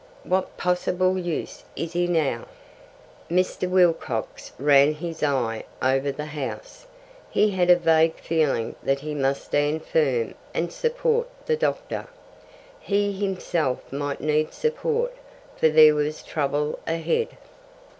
What possible use is he now?" Mr. Wilcox ran his eye over the house. He had a vague feeling that he must stand firm and support the doctor. He himself might need support, for there was trouble ahead.